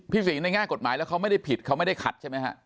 สิงห์ในแง่กฎหมายแล้วเขาไม่ได้ผิดเขาไม่ได้ขัดใช่ไหมฮะ